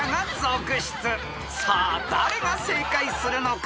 ［さあ誰が正解するのか］